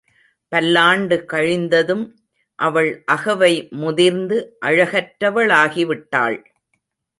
பல்லாண்டு கழிந்ததும் அவள் அகவை முதிர்ந்து அழகற்றவளாகிவிட்டாள்.